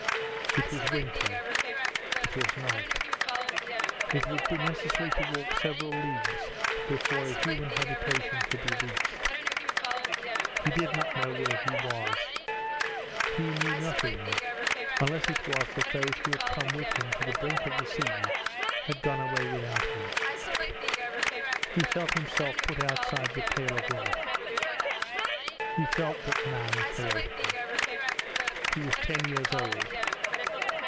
It was winter it was night. It would be necessary to walk several leagues before a human habitation could be reached. He did not know where he was. He knew nothing, unless it was that those who had come with him to the brink of the sea had gone away without him. He felt himself put outside the pale of life. He felt that man failed him. He was ten years old.